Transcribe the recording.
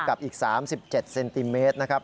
กับอีก๓๗เซนติเมตรนะครับ